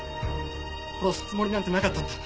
殺すつもりなんてなかったんだ。